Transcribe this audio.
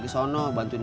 kok lu nggak tahu apa ini